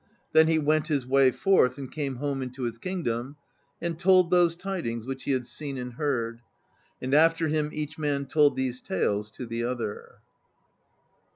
Then he went his way forth and came home into his kingdom, and told those tidings which he had seen and heard; and after him each man told these tales to the other.